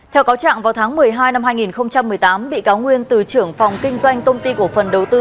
theo cáo trạng vào tháng một mươi hai năm hai nghìn một mươi tám bị cáo nguyên từ trưởng phòng kinh doanh công ty cổ phần đầu tư